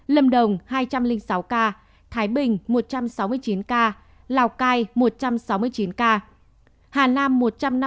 lâm đồng hai trăm linh sáu ca thái bình một trăm sáu mươi chín ca lào cai một trăm sáu mươi chín ca hà nam một trăm năm mươi ca